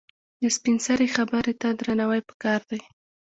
د سپینسرې خبره ته درناوی پکار دی.